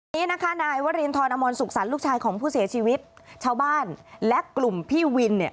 นี้นะคะนายวรินทรอมรสุขสรรค์ลูกชายของผู้เสียชีวิตชาวบ้านและกลุ่มพี่วินเนี่ย